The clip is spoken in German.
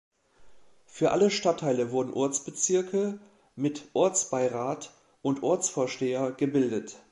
Für alle Stadtteile wurden Ortsbezirke mit Ortsbeirat und Ortsvorsteher gebildet.